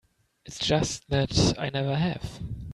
It's just that I never have.